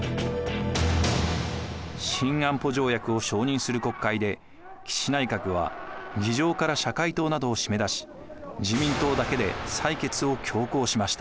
新安保条約を承認する国会で岸内閣は議場から社会党などを閉め出し自民党だけで採決を強行しました。